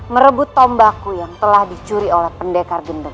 merebut tombaku yang telah dicuri oleh pendekar gendeng